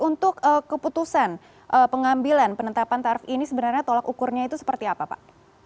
untuk keputusan pengambilan penetapan tarif ini sebenarnya tolak ukurnya itu seperti apa pak